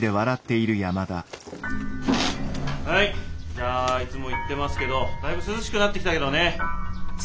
じゃあいつも言ってますけどだいぶ涼しくなってきたけどね。